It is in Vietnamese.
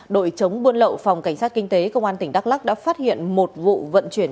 đội chống buôn lậu phòng cảnh sát kinh tế công an tỉnh đắk lắc đã phát hiện một vụ vận chuyển